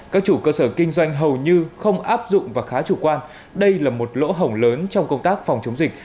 các chủ cơ sở kinh doanh hầu như không áp dụng và khá chủ quan đây là một lỗ hổng lớn trong công tác phòng chống dịch